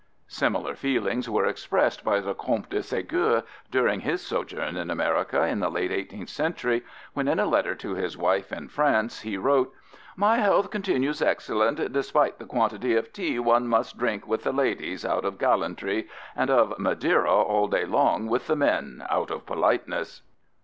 " Similar feelings were expressed by the Comte de Ségur during his sojourn in America in the late 18th century when, in a letter to his wife in France, he wrote: "My health continues excellent, despite the quantity of tea one must drink with the ladies out of gallantry, and of madeira all day long with the men out of politeness."